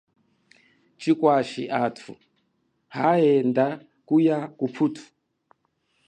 Chikwashi athu haenda kuya muputhu.